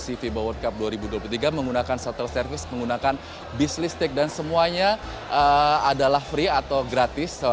jadi penonton yang sudah menonton fiba world cup dua ribu dua puluh tiga menggunakan shuttle service menggunakan business stick dan semuanya adalah free atau gratis